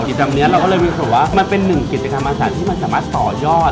กิจกรรมนี้เราก็เลยรู้สึกว่ามันเป็นหนึ่งกิจกรรมอากาศที่มันสามารถต่อยอด